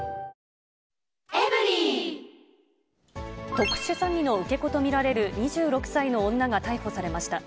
特殊詐欺の受け子と見られる２６歳の女が逮捕されました。